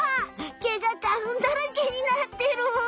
毛が花ふんだらけになってる！